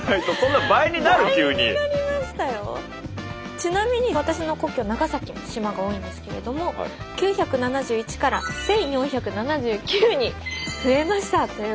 ちなみに私の故郷長崎も島が多いんですけれども９７１から１，４７９に増えましたということで。